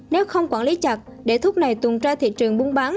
nếu không quản lý chặt để thuốc này tuôn ra thị trường buôn bán